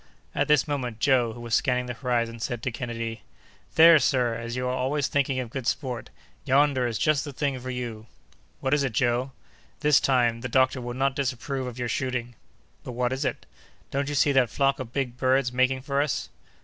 At this moment, Joe, who was scanning the horizon, said to Kennedy: "There, sir, as you are always thinking of good sport, yonder is just the thing for you!" "What is it, Joe?" "This time, the doctor will not disapprove of your shooting." "But what is it?" "Don't you see that flock of big birds making for us?"